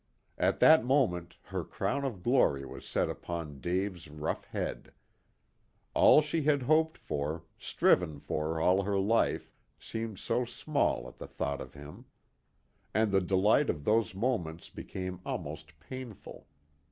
At that moment her crown of glory was set upon Dave's rough head. All she had hoped for, striven for all her life seemed so small at the thought of him. And the delight of those moments became almost painful.